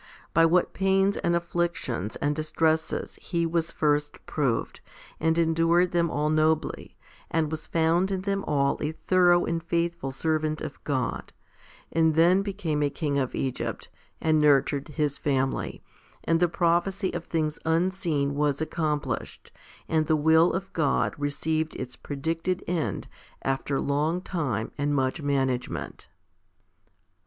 By what pains and afflictions and distresses he was first proved, and endured them all nobly, and was found in them all a thorough and faithful servant of God, and then became a king of Egypt, and nurtured his family, and the prophecy of things unseen was accomplished, and the will of God received its predicted end after long time and much management.